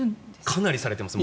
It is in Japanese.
かなりされます。